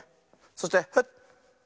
そしてフッ。